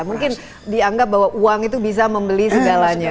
mungkin dianggap bahwa uang itu bisa membeli segalanya